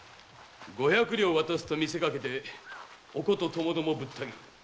五百両を渡すと見せかけてお琴ともどもぶった斬る。